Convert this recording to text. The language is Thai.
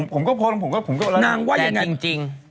ผมก็พูดนางว่าอย่างไรแต่จริง